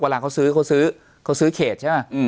เวลาเขาซื้อเขาซื้อเขาซื้อเขตใช่ไหม